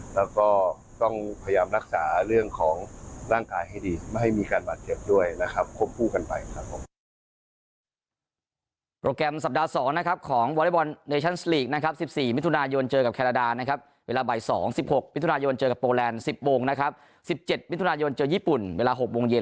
แล้วก็ต้องพยายามรักษาเรื่องของร่างกายให้ดีไม่ให้มีการบาดเจ็บด้วยนะครับควบคู่กันไปครับผม